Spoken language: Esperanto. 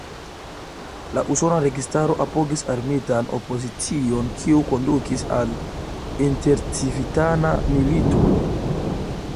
La usona registaro apogis armitan opozicion, kiu kondukis al intercivitana milito.